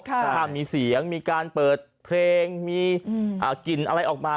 ถ้ามีเสียงมีการเปิดเพลงมีกลิ่นอะไรออกมา